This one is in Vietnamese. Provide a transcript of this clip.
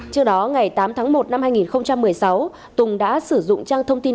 trước đó ngày tám tháng một năm hai nghìn một mươi sáu tùng đã sử dụng trang thông tin